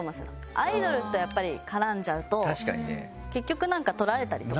アイドルとやっぱり絡んじゃうと結局なんか撮られたりとか。